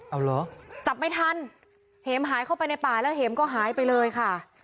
เอาเหรอจับไม่ทันเห็มหายเข้าไปในป่าแล้วเห็มก็หายไปเลยค่ะ